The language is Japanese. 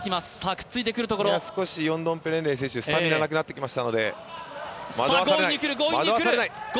少しヨンドンペレンレイ選手、スタミナなくなってきましたので、惑わされない！